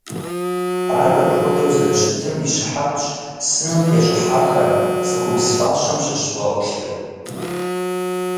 Ар апхуэдэу зэрыщытым и щыхьэтщ сыным тещӀыхьахэр – цӀыхубз фащэм щыщ бгъэӀулъыр.